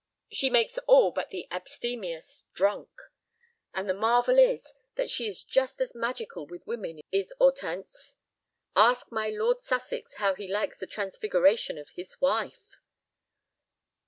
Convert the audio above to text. She makes all but the abstemious—drunk. And the marvel is that she is just as magical with women, is Hortense. Ask my Lord Sussex how he likes the transfiguration of his wife."